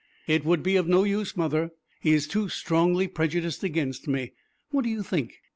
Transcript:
"It would be of no use, mother. He is too strongly prejudiced against me. What do you think?